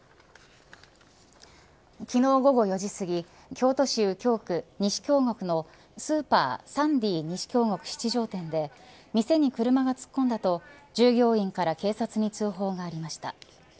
昨日、午後４時すぎ京都市右京区西京極のスーパーサンディ西京極七条店で店に車が突っ込んだと従業員から警察に通報がありました。